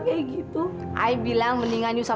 ayah yang bikin ya